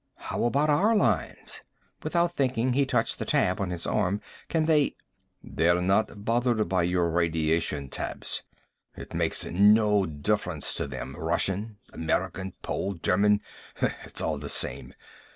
"How about our lines?" Without thinking, he touched the tab on his arm. "Can they " "They're not bothered by your radiation tabs. It makes no difference to them, Russian, American, Pole, German. It's all the same.